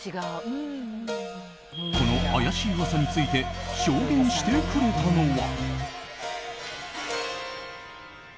この怪しい噂について証言してくれたのは。